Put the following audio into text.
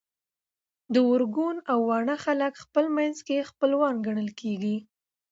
د ارګون او واڼه خلک خپل منځ کي خپلوان ګڼل کيږي